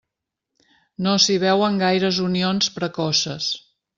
No s'hi veuen gaires unions precoces.